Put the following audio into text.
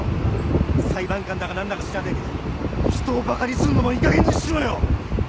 裁判官だか何だか知らねえけど人をバカにすんのもいいかげんにしろよ！